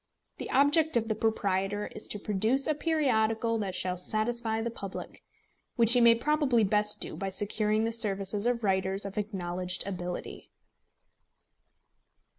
The object of the proprietor is to produce a periodical that shall satisfy the public, which he may probably best do by securing the services of writers of acknowledged ability.